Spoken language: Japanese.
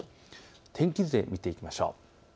天気図で見ていきましょう。